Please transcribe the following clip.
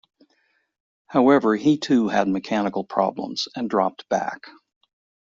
However he too had mechanical problems, and dropped back.